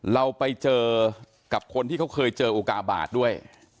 เราไปเจอกับคนที่เขาเคยเจออุกาบาทด้วย